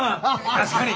確かに。